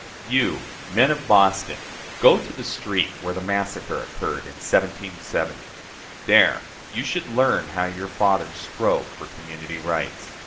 You, men of Boston, go to the street where the massacre occurred in 1770. There you should learn how your fathers strove for community rights.